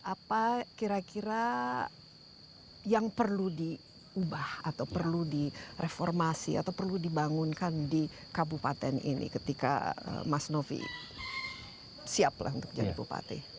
apa kira kira yang perlu diubah atau perlu direformasi atau perlu dibangunkan di kabupaten ini ketika mas novi siap lah untuk jadi bupati